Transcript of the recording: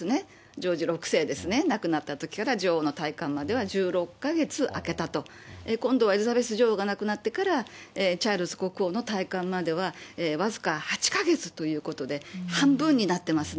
ジョージ６世ですね、亡くなったときから女王の戴冠までは１６か月空けたと、今度はエリザベス女王が亡くなってからチャールズ国王の戴冠までは、僅か８か月ということで、半分になってますね。